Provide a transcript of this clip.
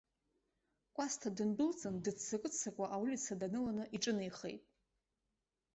Кәасҭа дындәылҵын, дыццакы-ццакуа, аулица даныланы иҿынеихеит.